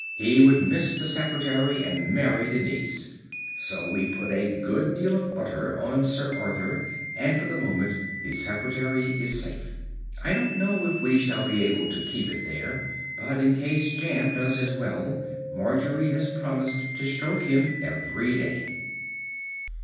He would miss the Secretary and marry the niece." So we put a good deal of butter on Sir Arthur, and for the moment the Secretary is safe. I don't know if we shall be able to keep it there; but in case jam does as well, Margery has promised to stroke him every day.